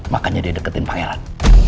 makanya dia deketin pangeran